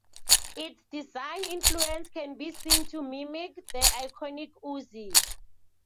Its design influence can be seen to mimic the iconic Uzi.